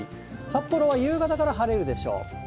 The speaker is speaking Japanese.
札幌は夕方から晴れるでしょう。